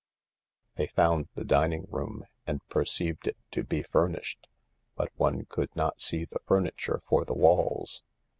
They found the dining room, and perceived it to be furnished, but one could not see the furniture for the walls.